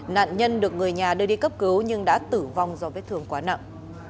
nạn nhân được người nhà đưa đi cấp cứu nhưng đã tử vong do vết thương quá nặng